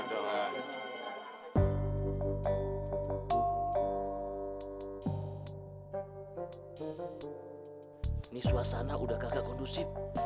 ini suasana udah kagak kondusif